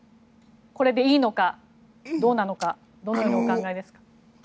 これでいいのか、どうなのかどのようにお考えですか。